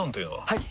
はい！